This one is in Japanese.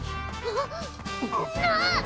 あっ！